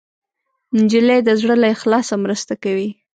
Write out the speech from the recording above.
نجلۍ د زړه له اخلاصه مرسته کوي.